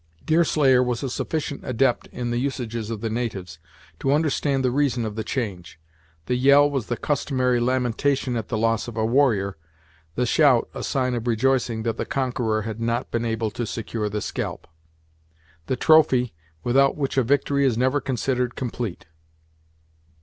Deerslayer was a sufficient adept in the usages of the natives to understand the reason of the change. The yell was the customary lamentation at the loss of a warrior, the shout a sign of rejoicing that the conqueror had not been able to secure the scalp; the trophy, without which a victory is never considered complete.